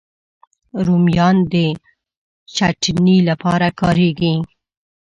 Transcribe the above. رومیان د چټني لپاره کارېږي